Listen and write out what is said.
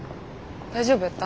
大丈夫やった？